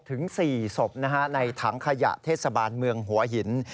ถึง๔ศพในถังขยะเทศบาลเมืองหัวหิน